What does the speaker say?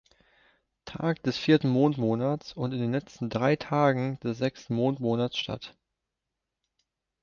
Tag des vierten Mondmonats und in den letzten drei Tagen des sechsten Mondmonats statt.